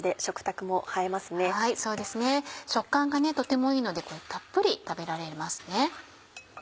食感がとてもいいのでたっぷり食べられますね。